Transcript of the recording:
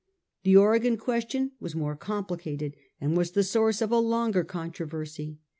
•The Oregon question was more complicated, and was the source of a longer controversy.